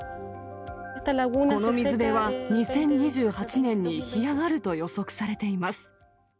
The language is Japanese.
この水辺は２０２８年に干上がると予測されています。